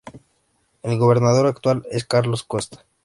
El Gobernador actual es Carlos Costa.